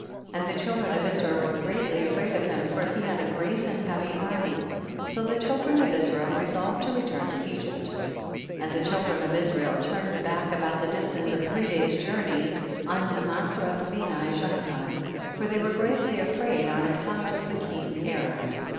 2. And the children of Israel were greatly afraid of him, for he had a great and heavy army, so the children of Israel resolved to return to Egypt. 3. And the children of Israel turn ed back about the distance of three days' journey unto Maserath Beni Jaakon, for they were greatly afraid on account of the king Arad.